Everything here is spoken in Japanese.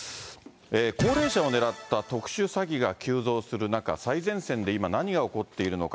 高齢者を狙った特殊詐欺が急増する中、最前線で今、何が起こっているのか。